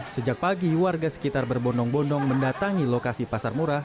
sejak pagi warga sekitar berbondong bondong mendatangi lokasi pasar murah